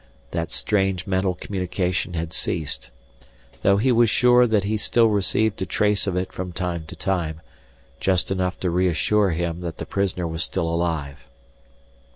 That strange mental communication had ceased. Though he was sure that he still received a trace of it from time to time, just enough to reassure him that the prisoner was still alive.